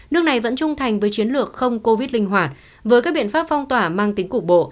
nước này vẫn trung thành với chiến lược không covid linh hoạt với các biện pháp phong tỏa mang tính cục bộ